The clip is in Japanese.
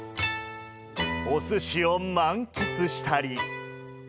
おすしを満喫したり。